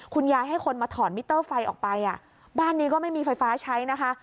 ให้คนมาถอนมิเตอร์ไฟออกไปอ่ะบ้านนี้ก็ไม่มีไฟฟ้าใช้นะคะ